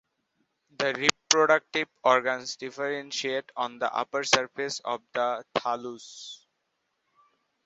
The reproductive organs differentiate on the upper surface of the thallus.